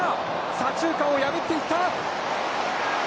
左中間を破っていった。